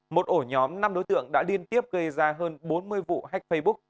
một ổ nhóm năm đối tượng đã liên tiếp gây ra hơn bốn mươi vụ hách facebook